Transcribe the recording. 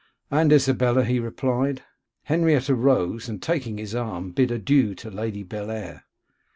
'And Isabella,' he replied. Henrietta rose, and taking his arm, bid adieu to Lady Bellair.